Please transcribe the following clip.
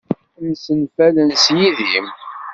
Msenfalen s yidim.